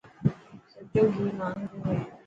سچو گهي مهانگو هي.